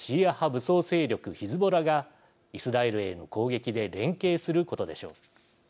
武装勢力・ヒズボラがイスラエルへの攻撃で連携することでしょう。